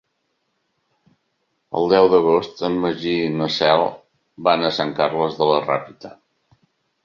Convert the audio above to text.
El deu d'agost en Magí i na Cel van a Sant Carles de la Ràpita.